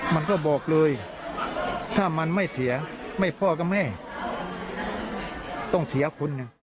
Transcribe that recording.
มันก็บอกเลยถ้ามันไม่เสียไม่พ่อกับแม่ต้องเสียคุณ